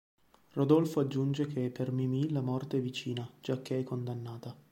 Rodolfo aggiunge che per Mimì la morte è vicina, giacché è condannata.